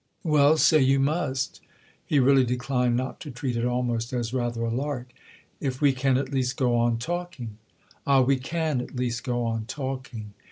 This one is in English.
"Well, say you must"—he really declined not to treat it almost as rather a "lark"—"if we can at least go on talking." "Ah, we can at least go on talking!"